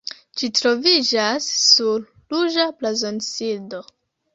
Ĝi troviĝas sur ruĝa blazonŝildo.